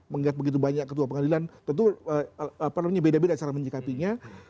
mengingat begitu banyak ketua pengadilan tentu beda beda cara menyikapinya